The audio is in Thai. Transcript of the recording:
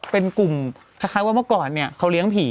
เป็นกลุ่มคล้ายว่าเมื่อก่อนเนี่ยเขาเลี้ยงผี